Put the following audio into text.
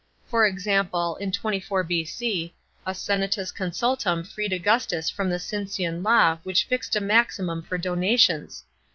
For example, in 24 B.C. a senatusconsultum freed Augustus Irom the Cincian law which fixed a maximum for donations.